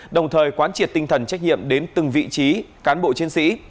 đồng thời quán triệt tinh thần trách nhiệm đến từng vị trí cán bộ chiến sĩ